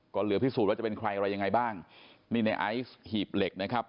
ก็เหลือพิสูจน์ว่าจะเป็นใครอะไรยังไงบ้างนี่ในไอซ์หีบเหล็กนะครับ